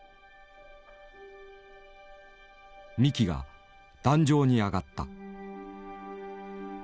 三木が壇上に上がった。